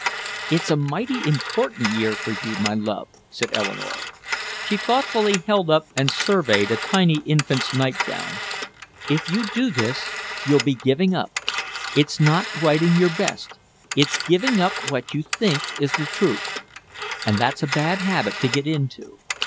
"It's a mighty important year for you, my love," said Eleanore. She thoughtfully held up and surveyed a tiny infant's nightgown. "If you do this you'll be giving up. It's not writing your best. It's giving up what you think is the truth. And that's a bad habit to get into."